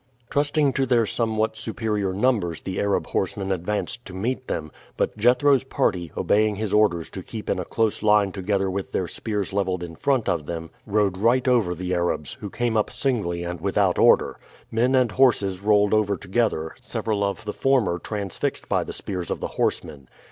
Trusting to their somewhat superior numbers the Arab horsemen advanced to meet them; but Jethro's party, obeying his orders to keep in a close line together with their spears leveled in front of them, rode right over the Arabs, who came up singly and without order. Men and horses rolled over together, several of the former transfixed by the spears of the horsemen.